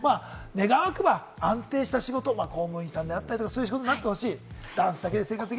願わくば、安定した仕事、公務員さんだったり、そういう仕事になってほしい。